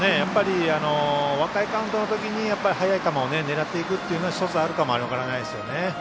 若いカウントのときに速い球を狙っていくというのは一つあるかも分からないですよね。